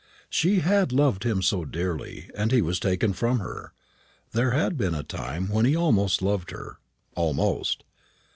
She had loved him so dearly, and he was taken from her. There had been a time when he almost loved her almost!